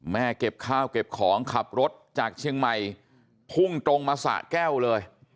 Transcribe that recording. เก็บข้าวเก็บของขับรถจากเชียงใหม่พุ่งตรงมาสะแก้วเลย